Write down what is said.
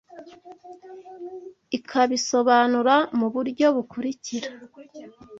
ikabisobanura mu buryo bukurikira: